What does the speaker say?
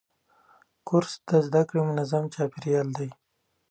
کورس د زده کړې منظم چاپېریال دی.